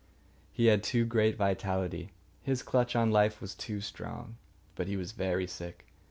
He had too great vitality. His clutch on life was too strong. But he was very sick.